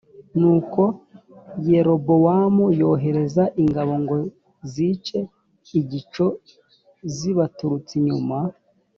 nuko yerobowamu yohereza ingabo ngo zice igico zibaturutse inyuma